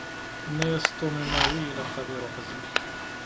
Yenna-yas Tom i Mary ilaq ad iruḥ zik.